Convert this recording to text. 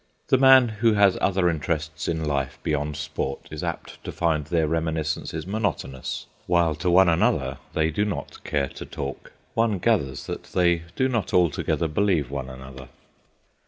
The man who has other interests in life beyond sport is apt to find their reminiscences monotonous; while to one another they do not care to talk. One gathers that they do not altogether believe one another.